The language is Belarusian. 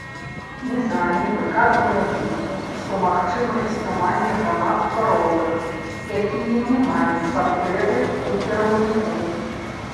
Нізамі выказвае думку, што магчыма існаванне грамадства роўных, якія не маюць патрэбы ў кіраўніку.